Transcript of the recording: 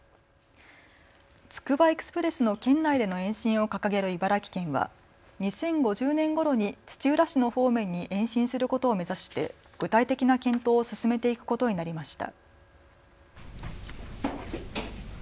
つくばエクスプレスの県内での延伸を掲げる茨城県は２０５０年ごろに土浦市の方面に延伸することを目指して具体的な検討を進めていくことになりました。